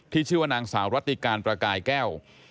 ชื่อว่านางสาวรัติการประกายแก้ว